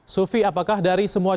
sufi apakah dari semua